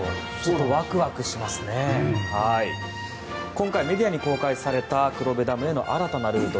今回、メディアに公開された黒部ダムへの新たなルート。